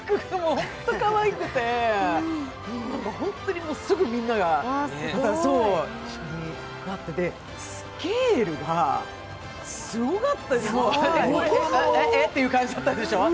本当にかわいくて本当にすぐみんなと仲良くなっててスケールがすごかったね、え、え、え？って感じだったでしょ。